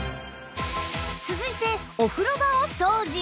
続いてお風呂場を掃除